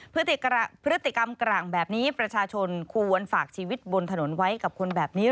พฤติกรรมกลางแบบนี้ประชาชนควรฝากชีวิตบนถนนไว้กับคนแบบนี้